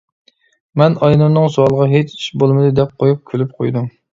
مەن ئاينۇرنىڭ سوئالىغا «ھېچ ئىش بولمىدى» دەپ قويۇپ كۈلۈپ قويدۇم.